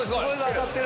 当たってる！